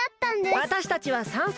わたしたちはさんそ